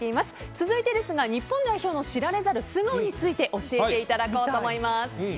続いて、日本代表の知られざる素顔について教えていただこうと思います。